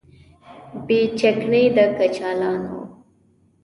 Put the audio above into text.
بې چکنۍ د کچالانو